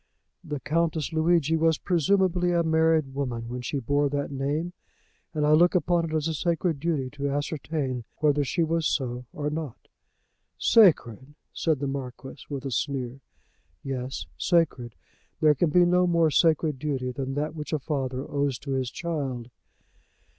"The Countess Luigi was presumably a married woman when she bore that name, and I look upon it as a sacred duty to ascertain whether she was so or not." "Sacred!" said the Marquis, with a sneer. "Yes; sacred. There can be no more sacred duty than that which a father owes to his child."